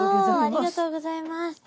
ありがとうございます。